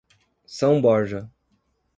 São Borja